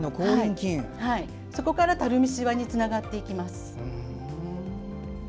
そこから、たるみ・シワにつながっていきます。